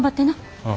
ああ。